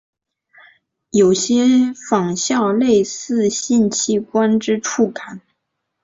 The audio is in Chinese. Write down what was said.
有些仿效类似性器官之触感。